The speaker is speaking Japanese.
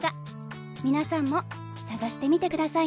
皆さんも探してみてくださいね。